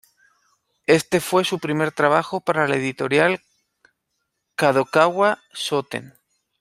Este fue su primer trabajo para la editorial Kadokawa Shoten.